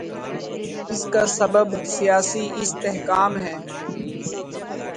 اس کا سبب سیاسی استحکام ہے۔